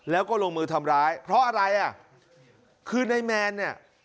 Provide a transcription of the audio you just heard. แล้วก็ลงมือทำร้ายเพราะอะไรอ่ะคือในแมนเนี่ย